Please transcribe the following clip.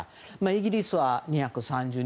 イギリスは２３２円。